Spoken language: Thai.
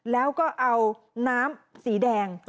แล้วก็เอาน้ำสีแดง